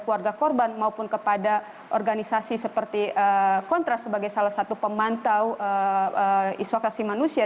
keluarga korban maupun kepada organisasi seperti kontras sebagai salah satu pemantau isokasi manusia